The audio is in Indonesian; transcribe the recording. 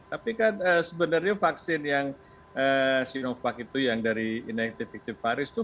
tapi kan sebenarnya vaksin yang sinovac itu yang dari inaktif tifaris itu